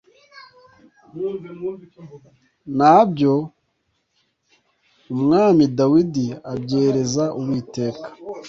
na byo umwami dawidi abyereza uwiteka